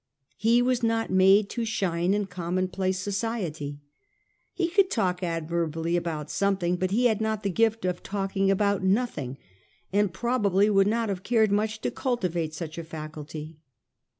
He was not made to shine in commonplace society. He could talk admirably about something, but he had not the gift of talking about nothing, and probably would not have cared much to cultivate such a faculty.